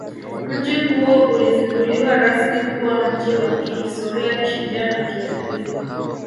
Mji huo ulizinduliwa rasmi kuwa mji wa kihistoria kishujaa na kiutalii